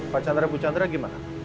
pak chandra bu chandra gimana